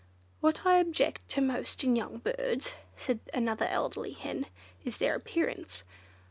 "What I object to most in young birds," said another elderly hen, "is their appearance.